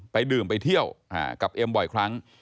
ดื่มไปเที่ยวกับเอ็มบ่อยครั้ง